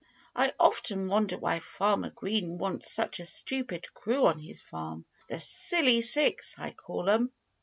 I often wonder why Farmer Green wants such a stupid crew on his farm. The Silly Six, I call 'em!"